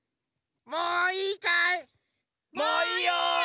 もういいかい？